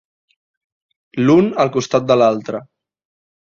L'un al costat de l'altre.